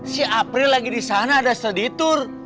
si april lagi disana ada steady tour